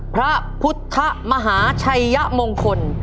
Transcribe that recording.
พระพุทธมหาชัยมงคล